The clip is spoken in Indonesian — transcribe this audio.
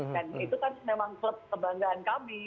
dan itu kan memang klub kebanggaan kami